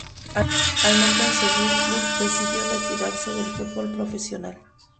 Al no conseguir club decidió retirarse del fútbol profesional.